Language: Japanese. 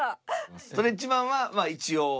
ストレッチマンはまあ一応。